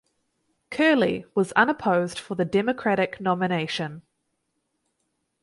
Curley was unopposed for the Democratic nomination.